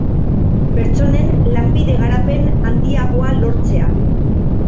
Pertsonen lanbide-garapen handiagoa lortzea